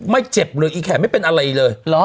เจ็บเลยอีแขนไม่เป็นอะไรเลย